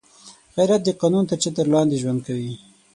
غیرت د قانون تر چتر لاندې ژوند کوي